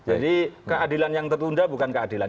jadi keadilan yang tertunda bukan keadilan